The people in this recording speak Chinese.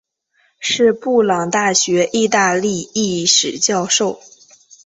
是布朗大学意大利历史教授。